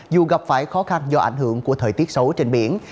dù gặp phải khó khăn do ảnh hưởng của thời tiết xấu trên biển